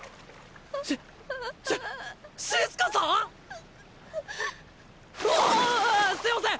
うわすいません！